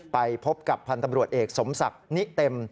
ไปพบกับพันธ์ตำรวจเอกสมศักดิ์นิเต็ม